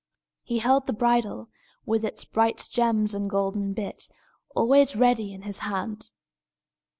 He held the bridle, with its bright gems and golden bit, always ready in his hand.